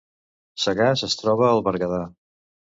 Sagàs es troba al Berguedà